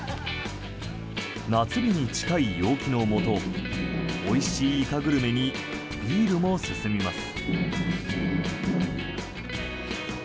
夏日に近い陽気のもとおいしいイカグルメにビールも進みます。